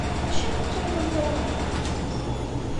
Acimi ur tettṛuḥumt ara ɣer uɣerbaz?